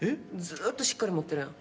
ずーっとしっかり持ってるやん。